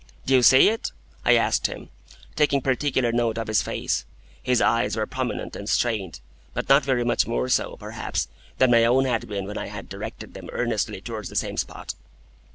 "Do you see it?" I asked him, taking particular note of his face. His eyes were prominent and strained, but not very much more so, perhaps, than my own had been when I had directed them earnestly towards the same spot.